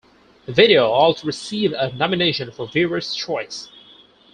The video also received a nomination for Viewer's Choice.